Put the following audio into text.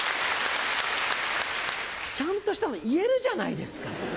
ちゃんとしたの言えるじゃないですか。